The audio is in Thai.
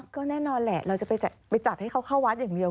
ก็แน่นอนแหละเราจะไปจัดให้เขาเข้าวัดอย่างเดียว